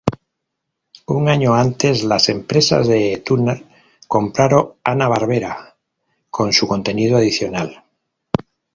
Un año antes, las empresas de Turner compraron Hanna-Barbera con su contenido adicional.